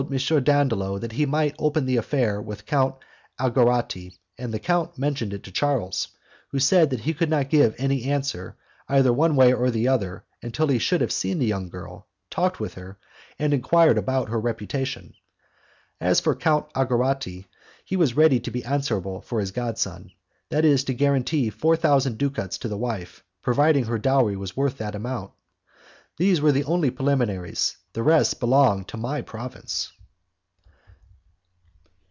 Dandolo that he might open the affair with Count Algarotti, and the count mentioned it to Charles, who said that he could not give any answer, either one way or the other, until he should have seen the young girl, talked with her, and enquired about her reputation. As for Count Algarotti, he was ready to be answerable for his god son, that is to guarantee four thousand ducats to the wife, provided her dowry was worth that amount. Those were only the preliminaries; the rest belonged to my province.